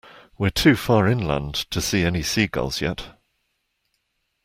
We're too far inland to see any seagulls yet.